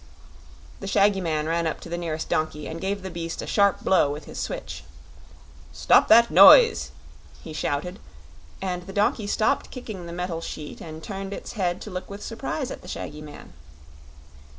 The shaggy man ran up to the nearest donkey and gave the beast a sharp blow with his switch. "Stop that noise!" he shouted; and the donkey stopped kicking the metal sheet and turned its head to look with surprise at the shaggy man.